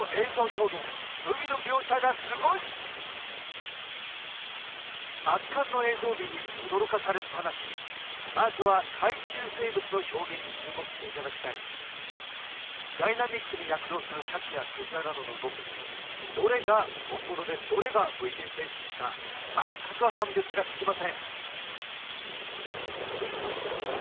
その２圧巻の映像美に驚かされっ放しまずは海中生物の表現に注目していただきたいダイナミックに躍動するシャチやクジラなどの動きにどれが本物でどれがＶＦＸか全く判別がつきません